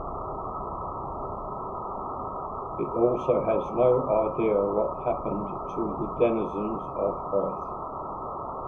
It also has no idea what happened to the denizens of Earth.